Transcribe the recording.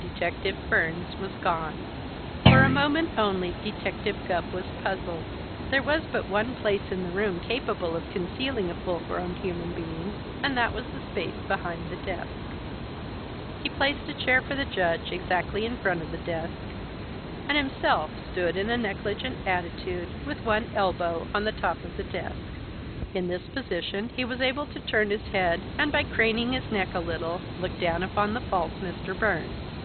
Detective Burns was gone! For a moment only, Detective Gubb was puzzled. There was but one place in the room capable of concealing a full grown human being, and that was the space behind the desk. He placed a chair for the Judge exactly in front of the desk and himself stood in a negligent attitude with one elbow on the top of the desk. In this position he was able to turn his head and, by craning his neck a little, look down upon the false Mr. Burns.